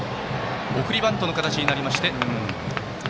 送りバントの形になりました。